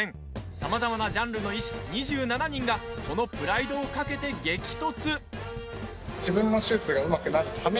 さまざまなジャンルの医師２７人がそのプライドをかけて激突！